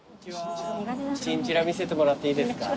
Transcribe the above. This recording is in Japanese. チンチラ見せてもらっていいですか？